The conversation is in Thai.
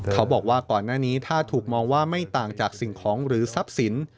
เขาบอกว่าก่อนหน้านี้ถ้าถูกมองว่าไม่ต่างจากสิ่งของหรือทรัพย์สิน